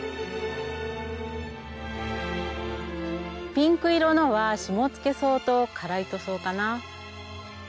ピンク色のはシモツケソウとカライトソウかな。